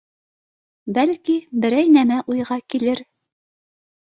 Бәлки, берәй нәмә уйға килер.